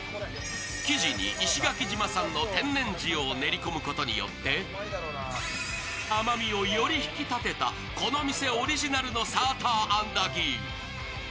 生地に石垣島産の天然塩を練り込むことによって甘みをより引き立てたこの店オリジナルのサーターアンダギー。